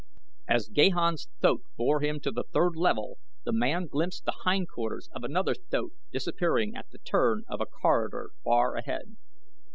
As Gahan's thoat bore him to the third Level the man glimpsed the hind quarters of another thoat disappearing at the turn of a corridor far ahead.